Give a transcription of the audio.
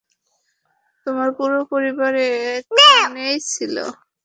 তোমার পুরো পরিবার ওখানেই ছিল।